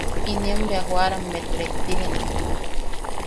Inien bea joʼarammet rejtine.